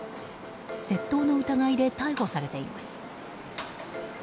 窃盗の疑いで逮捕されています。